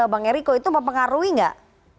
bang ericko itu mempengaruhi enggak